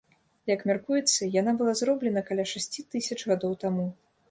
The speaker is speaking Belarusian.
Як мяркуецца, яна была зроблены каля шасці тысяч гадоў таму.